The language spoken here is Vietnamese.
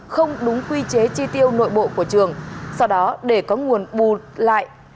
không đúng quy chế chi tiêu nội bộ của trường sau đó để có nguồn bù lại